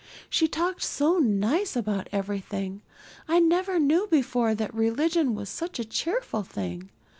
She talked so nice about everything. I never knew before that religion was such a cheerful thing.